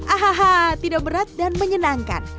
aha tidak berat dan menyenangkan